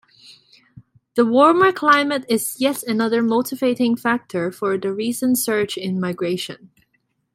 The warmer climate is yet another motivating factor for the recent surge in migration.